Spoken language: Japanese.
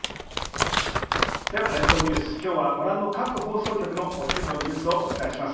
では列島ニュースきょうはご覧の各放送局のお昼のニュースをお伝えします。